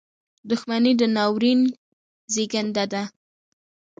• دښمني د ناورین زېږنده ده.